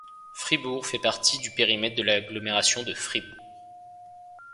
Fribourg fait partie du périmètre de l'Agglomération de Fribourg.